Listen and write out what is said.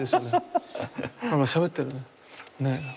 何かしゃべってるね。